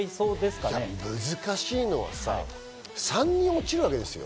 難しいのはさ、３人落ちるわけでしょ？